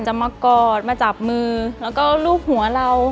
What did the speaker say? มากอดมาจับมือแล้วก็รูปหัวเรา